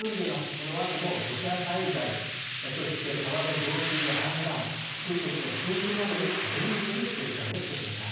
このあとも土砂災害、そして川の増水や氾濫、低い土地の浸水などに厳重に警戒をしてください。